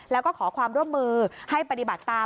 แล้วก็ขอความร่วมมือให้ปฏิบัติตาม